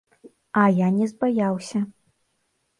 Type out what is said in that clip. А я не збаяўся.